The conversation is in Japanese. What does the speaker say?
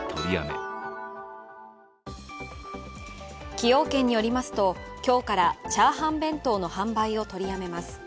崎陽軒によりますと今日から炒飯弁当の販売を取りやめます。